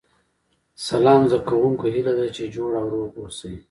سلام زده کوونکو هیله ده چې جوړ او روغ اوسئ